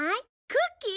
クッキー！？